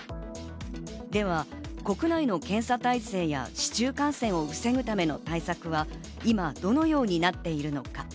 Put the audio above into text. では国内の検査体制や市中感染を防ぐための対策は、今どのようになっているのか？